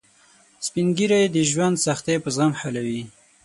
سپین ږیری د ژوند سختۍ په زغم حلوي